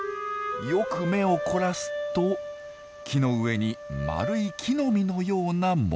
よく目を凝らすと木の上に丸い木の実のようなもの。